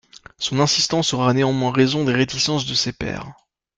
Son insistance aura néanmoins raison des réticences de ses pairs.